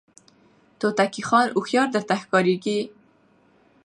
توتکیه ځان هوښیار درته ښکاریږي